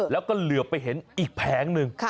แล้วก็เหลือไปเห็นอีกแผงหนึ่ง